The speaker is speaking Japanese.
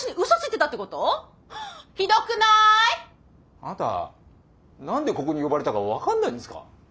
あなた何でここに呼ばれたか分かんないんですか？